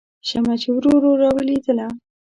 شمعه چې ورو ورو راویلېدله